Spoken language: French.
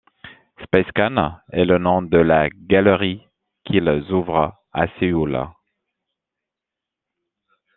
Space Kaan est le nom de la galerie qu'il ouvre à Séoul.